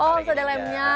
oh sudah ada lemnya